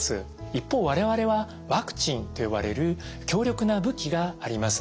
一方我々はワクチンと呼ばれる強力な武器があります。